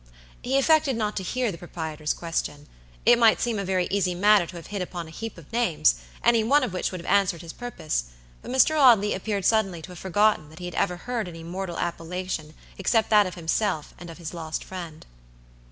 He affected not to hear the proprietor's question. It might seem a very easy matter to have hit upon a heap of names, any one of which would have answered his purpose; but Mr. Audley appeared suddenly to have forgotten that he had ever heard any mortal appellation except that of himself and of his lost friend.